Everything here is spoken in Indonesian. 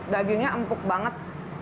dagingnya empuk banget